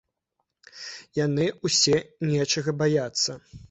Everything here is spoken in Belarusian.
Яны ўсе нечага баяцца.